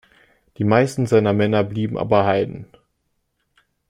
Die meisten seiner Männer blieben aber Heiden.